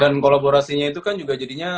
dan kolaborasinya itu kan juga jadinya